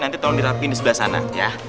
nanti tolong dirapi di sebelah sana ya